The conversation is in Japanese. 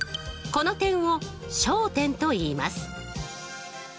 この点を焦点といいます。